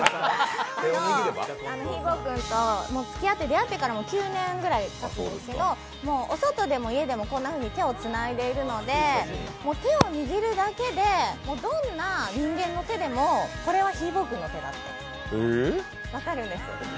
ひーぼぉくんと出会ってから９年ぐらいたつんですけど、もうお外でも家でもこんなふうに手をつないでいるので手を握るだけで、どんな人間の手でもこれはひーぼぉくんの手だって分かるんです。